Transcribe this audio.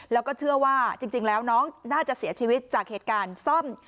แล้วก็เชื่อว่าจริงแล้วน้องน่าจะเสียชีวิตจากเหตุการณ์ซ่อม